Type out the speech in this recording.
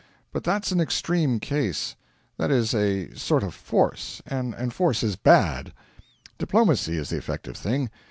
But that's an extreme case. That is a sort of force, and force is bad. Diplomacy is the effective thing.